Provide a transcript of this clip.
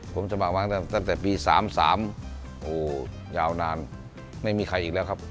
ผมสมัครวางเทียมตั้งแต่ปี๓๓โอ้ยาวนานไม่มีใครอีกแล้วครับ